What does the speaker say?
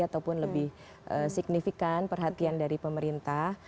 ataupun lebih signifikan perhatian dari pemerintah